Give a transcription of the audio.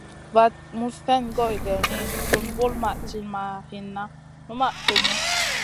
Vaɗ muzn slèn goy geyni, sùn vulmaʼ tinʼ ma hinna, numaʼ tumu.